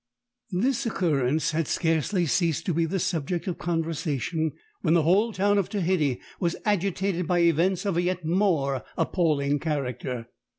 "This occurrence had scarcely ceased to be the subject of conversation, when the whole town of Tehiddy was agitated by events of a yet more appalling character.